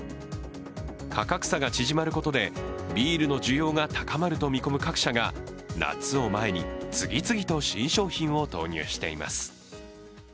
価格差が縮まることでビールの需要が高まると見込む各社が夏を前に次々と新商品を投入しています。